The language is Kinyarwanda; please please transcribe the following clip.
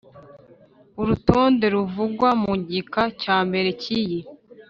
Urutonde ruvugwa mu gika cya mbere cy iyi